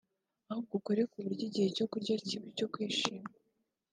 ahubwo ukore ku buryo igihe cyo kurya kiba icyo kwishima